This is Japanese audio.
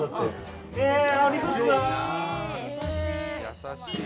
優しい！